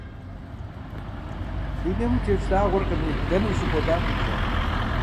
Дунейм утеслъагъуэркъыми, дэнэ ущыкӀуэдар, ныбжьэгъу?